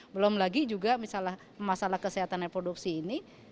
belum lagi juga misalnya masalah kesehatan reproduksi ini